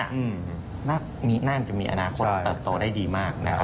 น่าจะมีอนาคตเติบโตได้ดีมากนะครับ